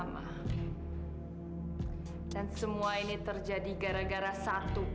dia yang sekali mencari tangan gue